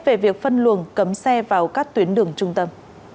về việc phân luồng cấm xe vào các tuyến đường trung tâm